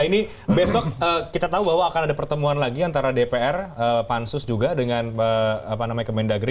ini besok kita tahu bahwa akan ada pertemuan lagi antara dpr pansus juga dengan kemendagri